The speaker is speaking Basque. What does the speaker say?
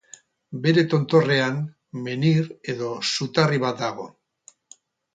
Bere tontorrean menhir edo zutarri bat dago.